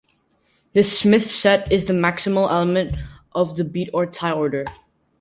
The Smith set is the maximal element of the beat-or-tie order.